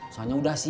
soalnya udah selesai